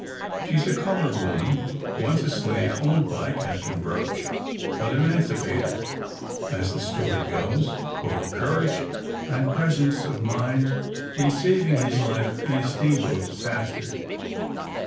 She is a colored woman, once a slave owned by Capt. Broch, but emancipated, as the story goes, for her courage, and presence of mind, in saving his life in a steamboat disaster.